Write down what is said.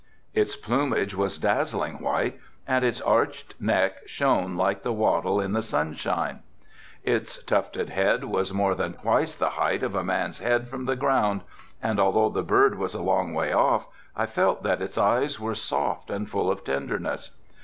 Its plumage was dazzling white and its arched neck shone like the wattle in the sunshine. Its tufted head was more than twice the height of a man's head from the ground and although the bird was a long way off I felt that its eyes were soft and full of tenderness.